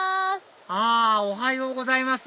あおはようございます！